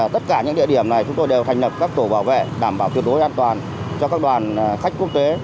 tất cả những địa điểm này chúng tôi đều thành lập các tổ bảo vệ đảm bảo tuyệt đối an toàn cho các đoàn khách quốc tế